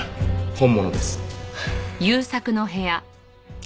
本物です。